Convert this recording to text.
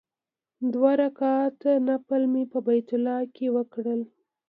دوه رکعاته نفل مې په بیت الله کې وکړ.